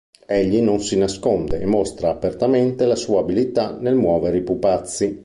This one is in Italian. Egli non si nasconde e mostra apertamente la sua abilità nel muovere i pupazzi.